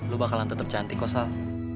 lo bakalan tetep cantik kok sal